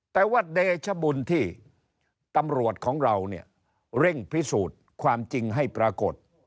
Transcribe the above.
แต่ว่าเดชบุญที่ตำรวจของเราเนี่ยเร่งพิสูจน์ความจริงให้ปรากฏ